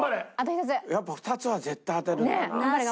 やっぱ２つは絶対当てるんだ。